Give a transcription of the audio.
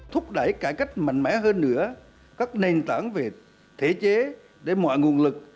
thúc đẩy cải cách mạnh mẽ hơn nữa các nền tảng về thể chế để mọi nguồn lực